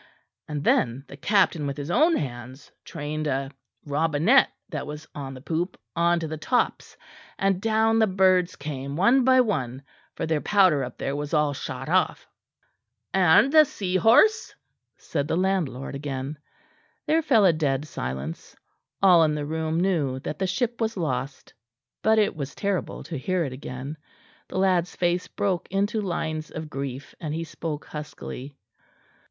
And then the captain with his own hands trained a robinet that was on the poop on to the tops; and down the birds came, one by one; for their powder up there was all shot off." "And the Seahorse?" said the landlord again. There fell a dead silence: all in the room knew that the ship was lost, but it was terrible to hear it again. The lad's face broke into lines of grief, and he spoke huskily.